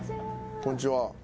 こんにちは。